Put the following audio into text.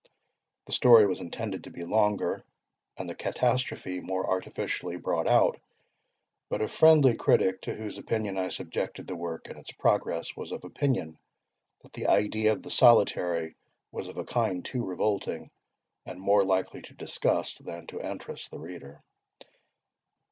The story was intended to be longer, and the catastrophe more artificially brought out; but a friendly critic, to whose opinion I subjected the work in its progress, was of opinion, that the idea of the Solitary was of a kind too revolting, and more likely to disgust than to interest the reader.